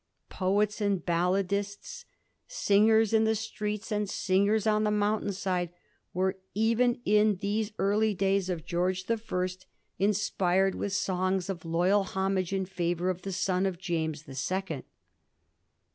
Poets and balladists, singers in the streets and singers on the mountain side, were even in these early days of George the First inspired with Digiti zed by Google 1714 'A KING AND NO KIXO/ 81 songs of loyal homage in favour of the son of James the Second.